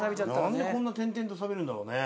何でこんな点々とサビるんだろうね。